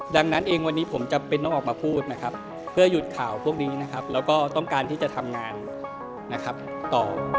ดังนั้นเองวันนี้ผมจะเป็นต้องออกมาพูดเพื่อหยุดข่าวพวกนี้และต้องการที่จะทำงานต่อ